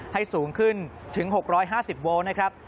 สูงขึ้นถึง๖๕๐โวลต์นะครับ